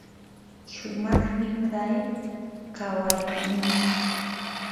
shumaqmi kay kawaynintsik.